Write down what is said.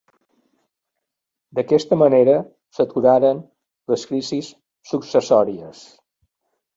D'aquesta manera s'aturaren les crisis successòries.